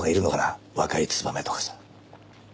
若いツバメとかさ。